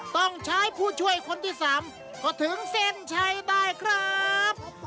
ต้องใช้ผู้ช่วยคนที่๓ก็ถึงเส้นชัยได้ครับ